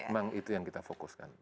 memang itu yang kita fokuskan